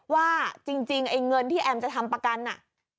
ว่าจริงไอ้เงินที่แอมจะทำประกันน่ะ